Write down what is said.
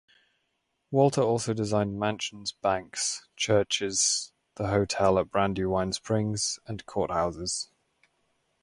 Walter also designed mansions, banks, churches, the hotel at Brandywine Springs, and courthouses.